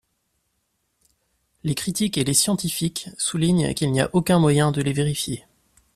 Les critiques et les scientifiques soulignent qu'il n'y a aucun moyen de les vérifier.